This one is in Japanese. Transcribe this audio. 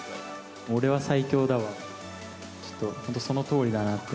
俺は最強だはちょっと、本当にそのとおりだなって。